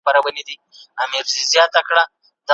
کمپيوټر پوهنه د معاصر ژوند یوه نه بېلېدونکي برخه ده.